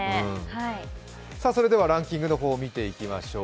ではランキングの方を見ていきましょう。